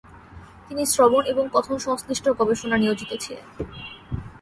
তিনি শ্রবণ ও কথন সংশ্লিষ্ট গবেষণা নিয়োজিত ছিলেন।